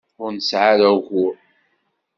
Ur nesɛi ara ugur.